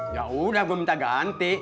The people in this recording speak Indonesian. yaudah gue minta ganti